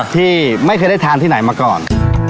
ที่ไม่เคยได้ทานที่ไหนมาก่อน